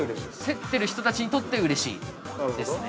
◆競っている人たちにとってうれしいですね。